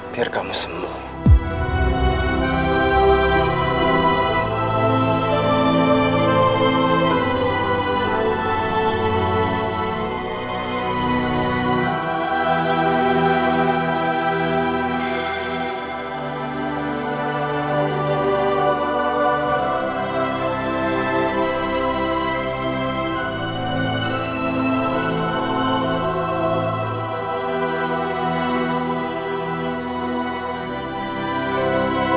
biar kamu sembuh